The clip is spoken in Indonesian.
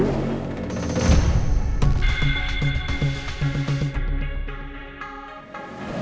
mas surya ada di mana